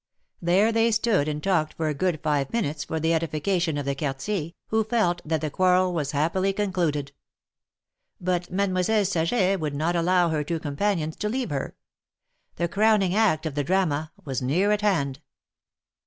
There they stood and talked for a good five minutes for the edification of the Quartier, who felt that the quarrel was happily concluded. But Mademoiselle Saget would not allow her two companions to leave her. The crowning act of the drama was near at hand.